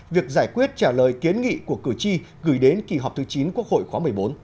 việc giải quyết trả lời kiến nghị của cử tri gửi đến kỳ họp thứ chín quốc hội khóa một mươi bốn